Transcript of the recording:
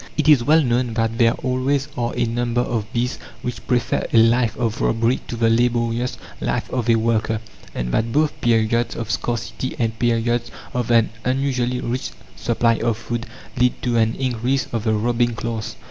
It is well known that there always are a number of bees which prefer a life of robbery to the laborious life of a worker; and that both periods of scarcity and periods of an unusually rich supply of food lead to an increase of the robbing class.